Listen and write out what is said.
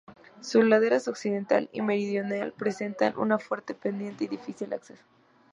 Sus laderas occidental y meridional presentan una fuerte pendiente y difícil acceso.